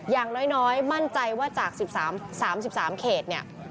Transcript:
อย่างน้อยมั่นใจว่าจาก๑๓๓เขตเนี่ย